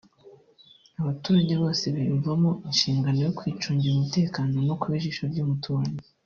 abaturage bose biyumvamo inshingano yo kwicungira umutekano no kuba ijisho ry’umuturanyi